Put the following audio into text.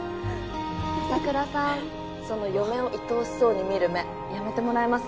麻倉さんその嫁を愛おしそうに見る目やめてもらえます？